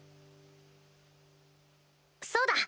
そうだ！